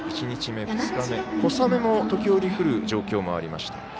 １日目、２日目小雨も時折降る状況もありました。